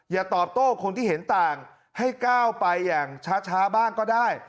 อย่าตอบโต้คนที่เห็นต่างให้ก้าวไปอย่างช้าบ้างก็ได้